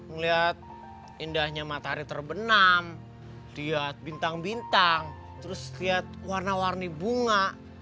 ngelihat indahnya matahari terbenam lihat bintang bintang terus lihat warna warni bunga